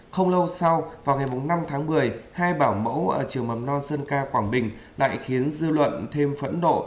không lâu sau vào ngày năm tháng một mươi hai bảo mẫu ở trường mầm non sơn ca quảng bình lại khiến dư luận thêm phẫn nộ